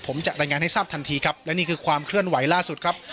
ผมจะรายงานให้ทราบทันทีครับและนี่คือความเคลื่อนไหวล่าสุดครับ